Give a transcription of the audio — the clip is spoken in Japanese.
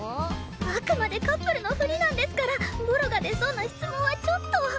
あくまでカップルのふりなんですからボロが出そうな質問はちょっと。